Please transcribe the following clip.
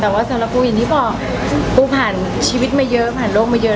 แต่ว่าสำหรับปูอย่างที่บอกปูผ่านชีวิตมาเยอะผ่านโลกมาเยอะ